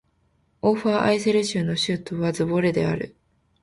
オーファーアイセル州の州都はズヴォレである